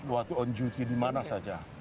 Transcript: waktu on duty dimana saja